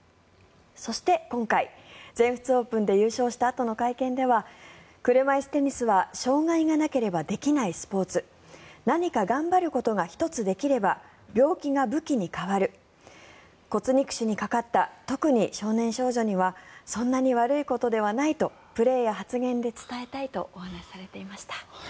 そして、今回全仏オープンで優勝したあとの会見では車いすテニスは障害がなければできないスポーツ何か頑張ることが１つできれば病気が武器に変わる骨肉腫にかかった特に少年少女にはそんなに悪いことではないとプレーや発言で伝えたいとお話しされていました。